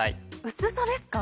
薄さですか？